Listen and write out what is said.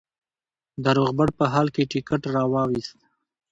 د روغبړ په حال کې ټکټ را وایست.